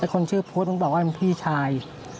คนชื่อพุทธมันบอกว่ามันพี่ชาย